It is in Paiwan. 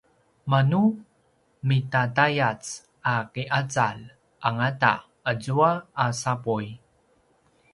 manu midadayac a ki’azalj angata azua a sapuy